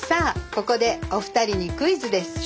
ここでお二人にクイズです。